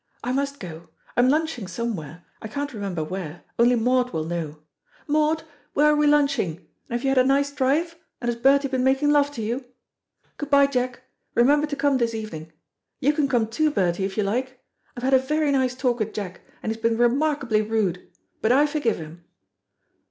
I must go. I'm lunching somewhere, I can't remember where, only Maud will know. Maud, where are we lunching, and have you had a nice drive, and has Bertie been making love to you? Good bye, Jack. Remember to come this evening. You can come, too, Bertie, if you like. I have had a very nice talk with Jack, and he has been remarkably rude, but I forgive him."